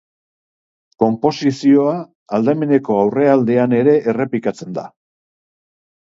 Konposizioa aldameneko aurrealdean ere errepikatzen da.